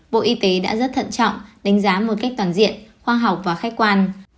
bộ y tế đã rất thận trọng đánh giá một cách toàn diện khoa học và khách quan